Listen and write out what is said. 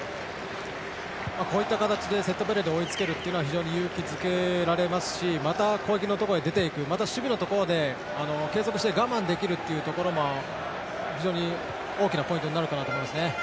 こういった形で、セットプレーで追いつけるというのは非常に勇気づけられますしまた攻撃のところで出て行くまた、守備のところで継続して我慢できるというところも非常に大きなポイントになるかなと思いますね。